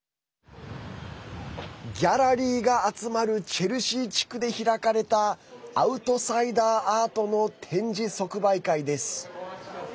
ギャラリーが集まるチェルシー地区で開かれたアウトサイダーアートの展示即売会です。